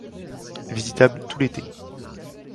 Visitable tout l'été.